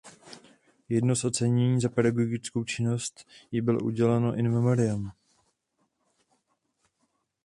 Jedno z ocenění za pedagogickou činnost jí bylo uděleno „in memoriam“.